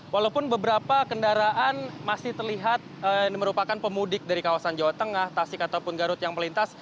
walaupun beberapa kendaraan masih terlihat merupakan pemudik dari kawasan jawa tengah tasik ataupun garut yang melintas